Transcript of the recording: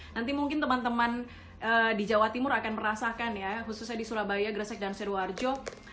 nanti mungkin teman teman di jawa timur akan merasakan ya khususnya di surabaya gresik dan sidoarjo